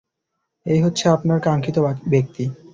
এই হচ্ছে আপনার কাঙ্ক্ষিত ব্যক্তি।